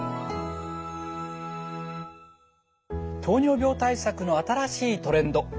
糖尿病対策の新しいトレンド